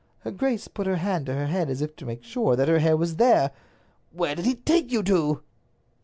Her grace put her hand to her head as if to make sure that her hair was there. "Where did he take you to?"